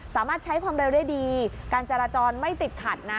สามารถใช้ความเร็วได้ดีการจราจรไม่ติดขัดนะ